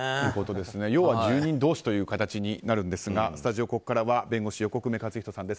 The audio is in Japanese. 要は住人同士という形になるんですがスタジオ、ここからは弁護士の横粂勝仁さんです。